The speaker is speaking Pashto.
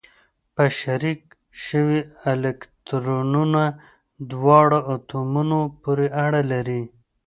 په شریک شوي الکترونونه دواړو اتومونو پورې اړه لري.